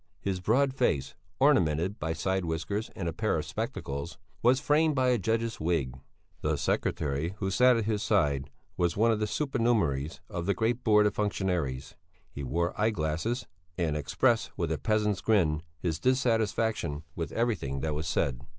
His broad face, ornamented by side whiskers and a pair of spectacles, was framed by a judge's wig. The secretary who sat at his side was one of the supernumeraries of the great Board of Functionaries; he wore eye glasses and expressed with a peasant's grin his dissatisfaction with everything that was said.